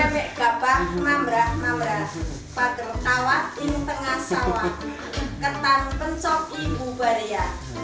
bukit tengah sawak ketan pencuk ibu bariah